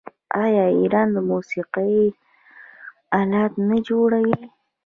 آیا ایران د موسیقۍ الات نه جوړوي؟